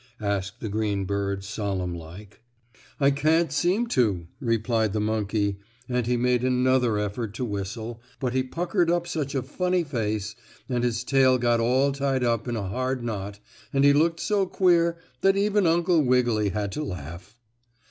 asked the green bird, solemn like. Illustration: Uncle Wiggily and the Alligator "I can't seem to," replied the monkey, and he made another effort to whistle, but he puckered up such a funny face, and his tail got all tied up in a hard knot, and he looked so queer that even Uncle Wiggily had to laugh.